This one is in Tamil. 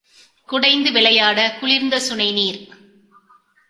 குடைந்து விளையாடக் குளிர்ந்த சுனைநீர்!